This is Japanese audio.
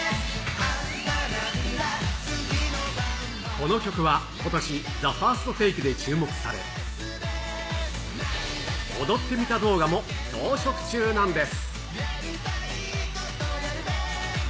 この曲はことし、ＴＨＥＦＩＲＳＴＴＡＫＥで注目され、踊ってみた動画も増殖中なんです。